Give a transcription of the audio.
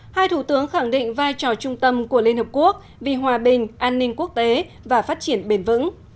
hai thủ tướng khẳng định vai trò trung tâm của liên hợp quốc vì hòa bình an ninh quốc tế và phát triển bền vững